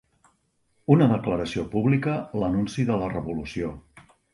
Una declaració pública, l'anunci de la revolució.